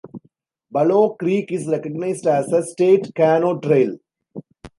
Bulow Creek is recognized as a State Canoe Trail.